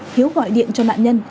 hiếu gọi điện cho nạn nhân